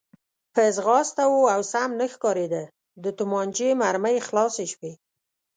په ځغاسته و او سم نه ښکارېده، د تومانچې مرمۍ خلاصې شوې.